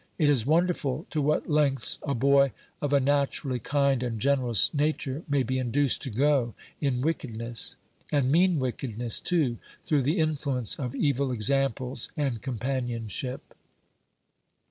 It is wonderful to what lengths a boy of a naturally kind and generous nature may be induced to go in wickedness, and mean wickedness, too, through the influence of evil examples and companionship.